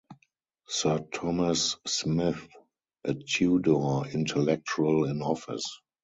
Sir Thomas Smith: A Tudor Intellectual in Office.